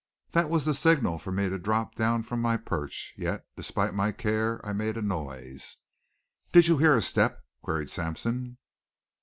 That was the signal for me to drop down from my perch, yet despite my care I made a noise. "Did you hear a step?" queried Sampson.